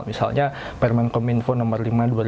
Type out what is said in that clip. misalnya permen kominfo nomor lima dua ribu delapan belas